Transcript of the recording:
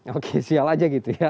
oke sial aja gitu ya